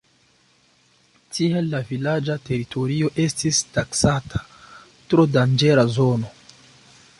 Tial, la vilaĝa teritorio estis taksata tro danĝera zono.